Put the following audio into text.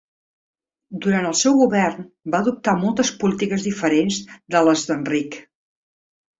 Durant el seu govern va adoptar moltes polítiques diferents de les d'Enric.